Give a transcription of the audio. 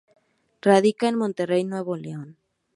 Radica en Monterrey, Nuevo León.